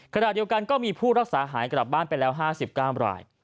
ขณะเดียวกันก็มีผู้รักษาหายกลับบ้านไปแล้ว๕๙ราย